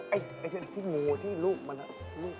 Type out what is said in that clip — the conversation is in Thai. ไอ้ที่งูที่ลูกมันน่ะ